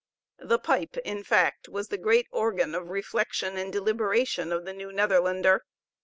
The pipe, in fact, was the great organ of reflection and deliberation of the New Netherlander.